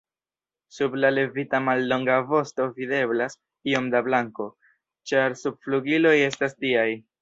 Sub la levita mallonga vosto videblas iom da blanko, ĉar subflugiloj estas tiaj.